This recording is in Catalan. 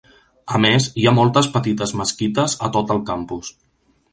A més, hi ha moltes petites mesquites a tot el campus.